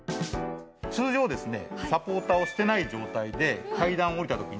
通常ですね